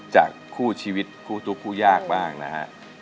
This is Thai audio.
จากคู่ชีวิตคู่ทุกคู่ยากบ้างนะฮะ